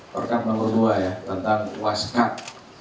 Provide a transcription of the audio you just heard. perkab nomor dua ya tentang waskat